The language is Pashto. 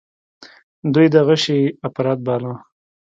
دوى دغه شى اپرات باله.